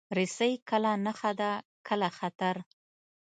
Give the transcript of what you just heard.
رسۍ کله نښه ده، کله خطر.